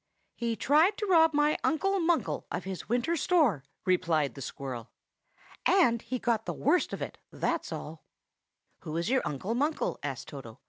"He tried to rob my Uncle Munkle of his winter store!" replied the squirrel. "And he got the worst of it, that's all." "Who is your Uncle Munkle?" asked Toto.